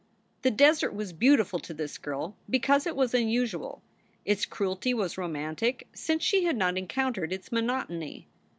The desert was beautiful to this girl because it was unusual. Its cruelty was romantic, since she had not encountered its monotony.